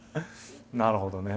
なるほどね。